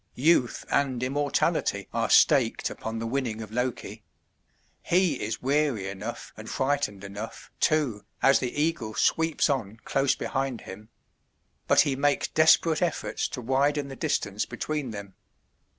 Youth and immortality are staked upon the winning of Loki. He is weary enough and frightened enough, too, as the eagle sweeps on close behind him; but he makes desperate efforts to widen the distance between them.